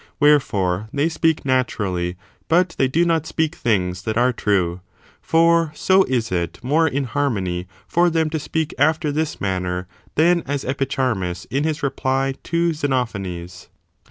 Wherefore, they speak naturally ; but they do not speak things that are true. For so is it more in harmony for them to speak after this manner than as Epicharmus^ in his reply to Xenophanes.